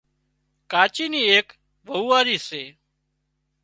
ڪاچي نِي ايڪ وئوئاري سي